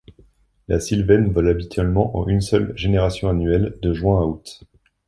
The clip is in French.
La Sylvaine vole habituellement en une seule génération annuelle, de juin à août.